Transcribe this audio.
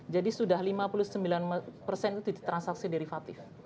jadi sudah lima puluh sembilan itu transaksi derivatif